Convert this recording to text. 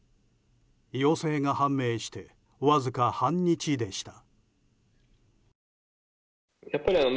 陽性が判明してわずか半日でした。